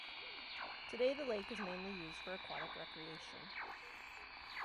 Today the lake is mainly used for aquatic recreation.